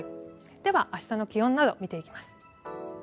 では、明日の気温など見ていきます。